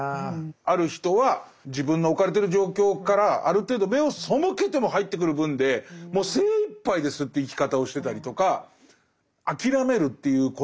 ある人は自分の置かれてる状況からある程度目を背けても入ってくる分でもう精いっぱいですって生き方をしてたりとか。